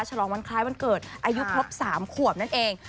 ฉลองวันคล้ายวันเกิดอายุครบ๓ขวบนั่นเอง